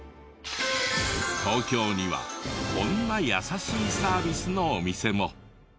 東京にはこんな優しいサービスのお店も。